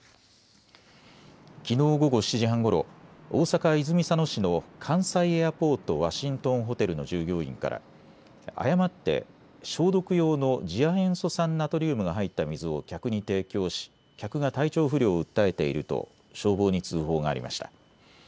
きのう午後７時半ごろ大阪泉佐野市の関西エアポートワシントンホテルの従業員から誤って消毒用の次亜塩素酸ナトリウムが入った水を客に提供し客が体調不良を訴えていると消防に通報がありました。